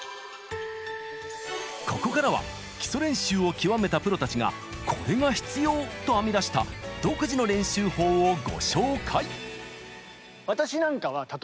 ここからは基礎練習を極めたプロたちがコレが必要！と編み出した「独自の練習法」をご紹介！